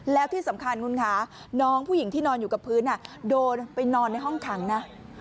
แล้วที่สำคัญคุณคะน้องผู้หญิงที่นอนอยู่กับพื้นโดนไปนอนในห้องขังนะ